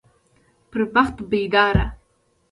پر بخت بيداره